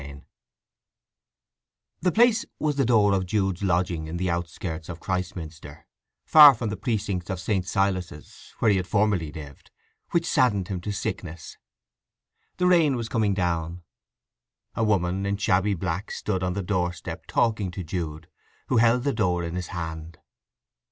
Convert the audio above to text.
VI The place was the door of Jude's lodging in the out skirts of Christminster—far from the precincts of St. Silas' where he had formerly lived, which saddened him to sickness. The rain was coming down. A woman in shabby black stood on the doorstep talking to Jude, who held the door in his hand.